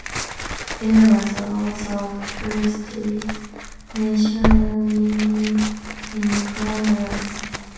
There was a lot of curiosity nationally in Commonwealth.